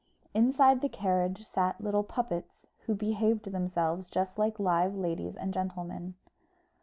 Inside the carriage sat little puppets, who behaved themselves just like live ladies and gentlemen.